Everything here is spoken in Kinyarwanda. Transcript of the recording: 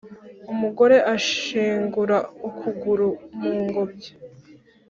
umugore ashingura ukuguru mu ngobyi